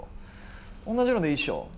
おんなじのでいいっしょ？